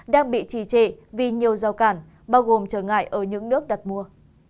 đang bị trì trệ vì nhiều giao cản bao gồm trở ngại ở những nước đặt mua